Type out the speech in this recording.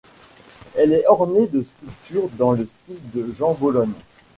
Elle est ornée de sculptures dans le style de Jean Bologne.